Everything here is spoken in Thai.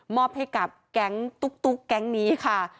อบให้กับแก๊งตุ๊กแก๊งนี้ค่ะ